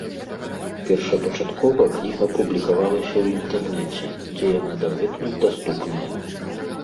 Першапачаткова кніга публікавалася ў інтэрнэце, дзе яна дагэтуль даступная.